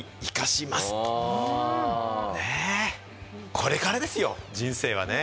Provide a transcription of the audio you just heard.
これからですよ、人生はね。